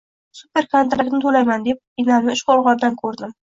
Superkontraktni to'layman deb enamni uchqo'rg'ondan ko'rdim.